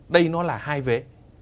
đây nó là hai vế